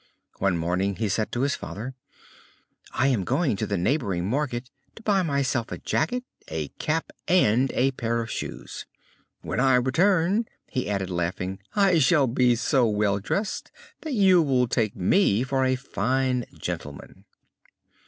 One morning he said to his father: "I am going to the neighboring market to buy myself a jacket, a cap, and a pair of shoes. When I return," he added, laughing, "I shall be so well dressed that you will take me for a fine gentleman."